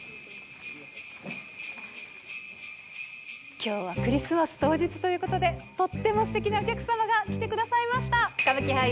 きょうはクリスマス当日ということで、とってもすてきなお客様が来てくださいました。